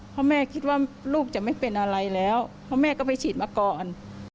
เพราะแม่คิดว่าลูกจะไม่เป็นอะไรแล้วเพราะแม่ก็ไปฉีดมาก่อน